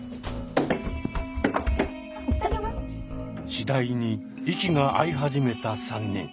次第に息が合い始めた３人。